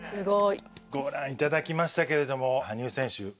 ご覧いただきましたけれども羽生選手